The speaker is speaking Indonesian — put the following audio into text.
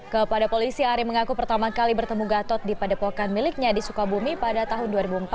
kepada polisi ari mengaku pertama kali bertemu gatot di padepokan miliknya di sukabumi pada tahun dua ribu empat